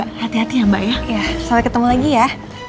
kembali ketemu lagi ya